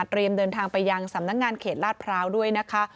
เดินทางไปยังสำนักงานเขตลาดพร้าวด้วยนะคะ